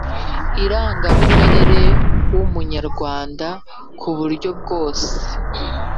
irangamimerere w umunyarwanda ku buryo bwose